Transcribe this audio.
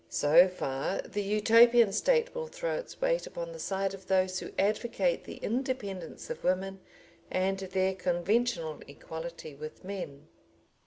] So far the Utopian State will throw its weight upon the side of those who advocate the independence of women and their conventional equality with men.